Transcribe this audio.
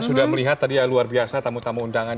sudah melihat tadi ya luar biasa tamu tamu undangan